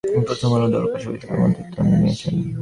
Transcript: প্রথম আলো দর কষাকষি করে মন্ত্রিত্ব নিয়েছেন।